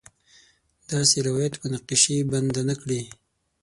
داسې روایت مناقشې بنده نه کړي.